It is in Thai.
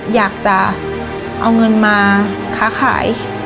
อยากจะเอาเงินมาค้าขาย